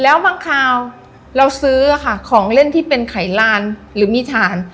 แล้วบางคราวเราซื้อค่ะของเล่นที่เป็นไขลานหรือมีฐาน